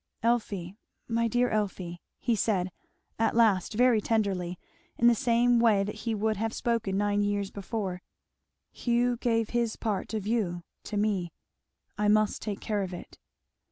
"Elfie my dear Elfie," he said at last very tenderly, in the same way that he would have spoken nine years before "Hugh gave his part of you to me I must take care of it."